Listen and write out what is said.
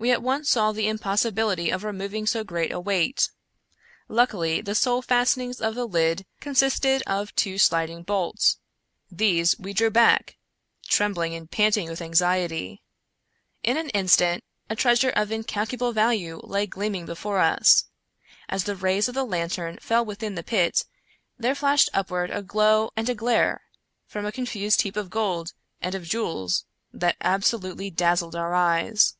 We at once saw the impossibility of removing so great a weight. Luckily, the sole fastenings of the lid coh 144 Edgar Allan Poe sisted of two sliding bolts. These we drew back — ^trem bling and panting with anxiety. In an instant, a treasure of incalculable value lay gleaming before us. As the rays of the lanterns fell within the pit, there flashed upward a glow and a glare, from a confused heap of gold and of jewels, that absolutely dazzled our eyes.